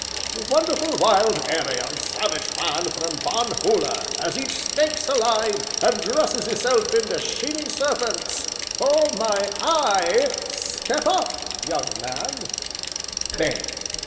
"The wonderful wild, 'airy, and savage man from Bonhoola, as eats snakes alive, and dresses hisself in sheeny serpents! O my eye! step up! [young man]." (Bang!)